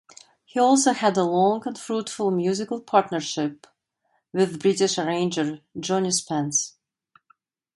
He also had a long and fruitful musical partnership with British arranger Johnnie Spence.